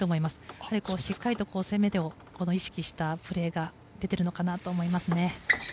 やはりしっかりと攻めを意識したプレーが出ているのかなと思います。